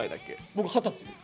僕二十歳です。